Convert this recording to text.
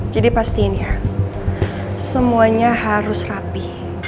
jadi pastiin ya semuanya harus rapi